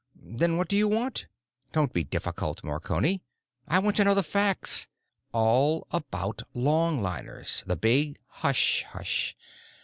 "Then what do you want?" "Don't be difficult, Marconi. I want to know the facts. All about longliners. The big hush hush.